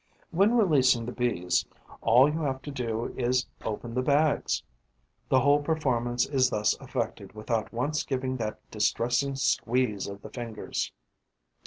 When releasing the Bees, all you have to do is open the bags. The whole performance is thus effected without once giving that distressing squeeze of the fingers.